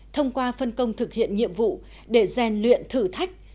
thông qua phân công thực hiện nhiệm vụ để rèn luyện thử thách